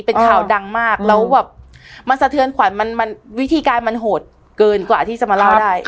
เป็นข่าวดังมากแล้วแบบมันสะเทือนขวัญมันวิธีการมันโหดเกินกว่าที่จะมาเล่าได้